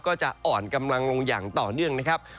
ก็จะอ่อนกำลังลงอย่างต่อเนื่องนะครับ